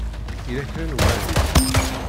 Yella kra n umahil?